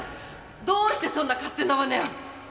どうしてそんな勝手なまねを！